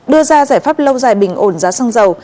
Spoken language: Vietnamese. đưa ra giải pháp lâu dài bình ổn giá xăng dầu